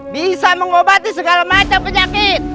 bisa mengobati segala macam penyakit